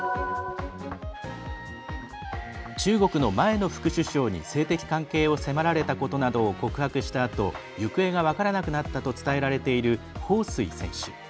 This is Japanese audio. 中国の前の副首相に性的関係を迫られたことなどを告白したあと行方が分からなくなったと伝えられている彭帥選手。